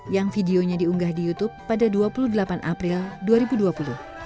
yang videonya diunggah di youtube pada dua puluh delapan april dua ribu dua puluh